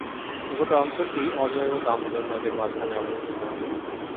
গোটা অঞ্চলটি অজয় ও দামোদর নদের মাঝখানে অবস্থিত।